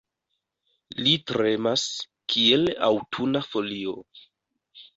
Li tremas, kiel aŭtuna folio.